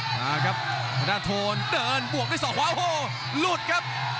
มาครับธนาโทนเดินบวกด้วยศอกขวาโอ้โหหลุดครับ